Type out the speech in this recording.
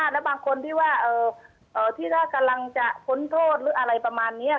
แล้วบางคนที่ว่าที่ถ้ากำลังจะพ้นโทษหรืออะไรประมาณนี้